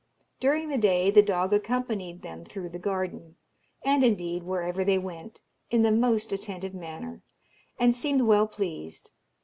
During the day the dog accompanied them through the garden, and indeed wherever they went, in the most attentive manner, and seemed well pleased.